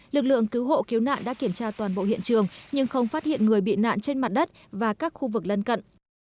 lực lượng cứu hộ cứu nạn đã kiểm tra toàn bộ hiện trường nhưng không phát hiện người bị nạn trên mặt đất và các khu vực lân cận